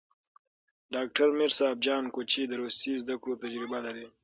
ډاکټر میر صاب جان کوچي د روسي زدکړو تجربه لري.